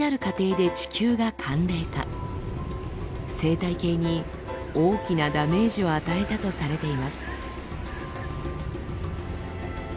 生態系に大きなダメージを与えたとされています。